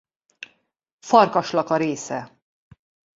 Farkaslaka része.